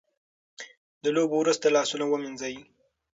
د لوبو وروسته لاسونه ومینځئ.